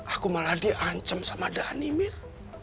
aku malah diancam sama dhani mir